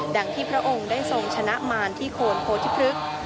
ดังที่พระองค์ได้ทรงชนะมารที่โคนโพธิพฤกษ์